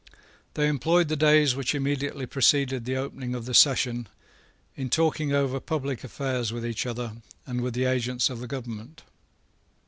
They employed the days which immediately preceded the opening of the session in talking over public affairs with each other and with the agents of the government.